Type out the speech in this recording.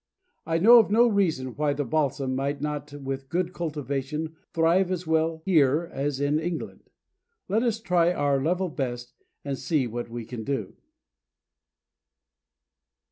I know of no reason why the Balsam might not with good cultivation thrive as well here as in England. Let us try our "level best," and see what we can do.